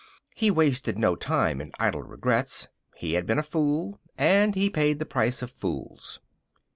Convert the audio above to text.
He wasted no time in idle regrets. He had been a fool, and he paid the price of fools.